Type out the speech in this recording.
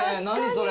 それ。